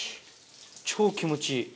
超気持ちいい。